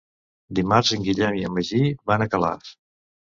Dimarts en Guillem i en Magí van a Calaf.